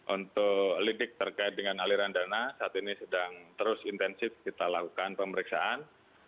untuk lidik terkait dengan aliran dana saat ini sedang terus intensif kita lakukan pemeriksaan